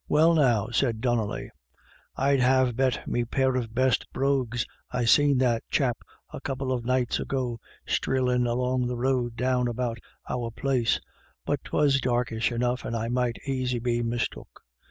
" Well, now," said Donnelly, " I'd have bet me pair of best brogues I seen that chap a couple of nights ago streelin' along the road down about our place ; but 'twas darkish enough, and I might aisy be mistook."